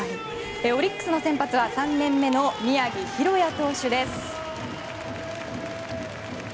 オリックスの先発は３年目の宮城大弥投手です。